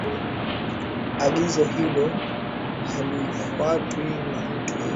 Agizo hilo halifwatwi na mtu yeyote